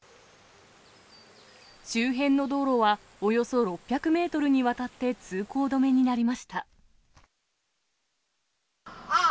周辺の道路はおよそ６００メートルにわたって通行止めになりました。